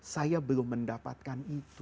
saya belum mendapatkan itu